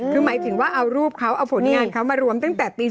คือหมายถึงว่าเอารูปเขาเอาผลงานเขามารวมตั้งแต่ตี๒